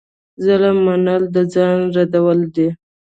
د ظالم منل د ځان ردول دي.